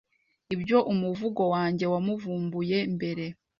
Ibyo umuvugo wanjye wamuvumbuye mbere